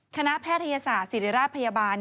แพทยศาสตร์ศิริราชพยาบาล